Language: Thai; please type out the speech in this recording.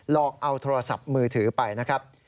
อกเอาโทรศัพท์มือถือไปนะครับ